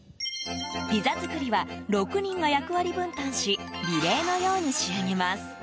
ピザ作りは６人が役割分担しリレーのように仕上げます。